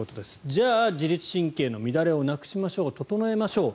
じゃあ、自律神経の乱れをなくしましょう整えましょう。